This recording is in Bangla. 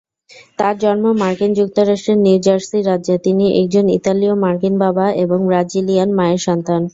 তার জন্ম মার্কিন যুক্তরাষ্ট্রের নিউ জার্সি রাজ্যে, তিনি একজন ইতালীয় মার্কিন বাবা এবং ব্রাজিলিয়ান মায়ের সন্তান।